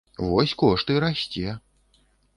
Вось кошт і расце.